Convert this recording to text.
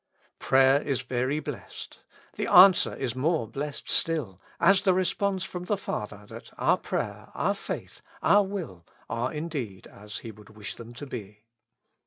Prayer is very blessed; ^/le answer is more blessed still, as the response from the Father that our prayer, our faith, our will are indeed as He would wish them to be.